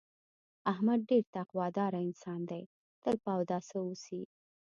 احمد ډېر تقوا داره انسان دی، تل په اوداسه اوسي.